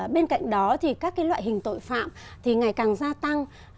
bên cạnh đó thì các loại hình tội phạm thì ngày càng gia tăng